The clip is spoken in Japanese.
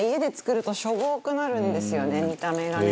見た目がね。